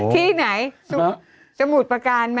ที่ไหนสมุทรประกาศมั้ย